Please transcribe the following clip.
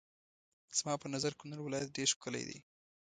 زما په نظر کونړ ولايت ډېر ښکلی دی.